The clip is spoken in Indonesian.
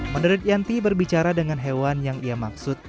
menurut yanti berbicara dengan hewan yang ia maksud